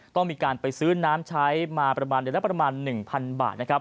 ต้องมีการไปซื้อน้ำใช้มาประมาณเดือนละประมาณ๑๐๐๐บาท